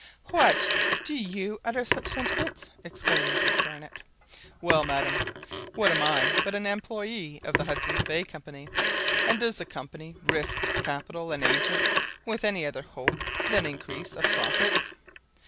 "What! do you utter such sentiments?" exclaimed Mrs Barnett. "Well, madam, what am I but an employé of the Hudson's Bay Company? and does the Company risk its capital and agents with any other hope than an increase of profits?"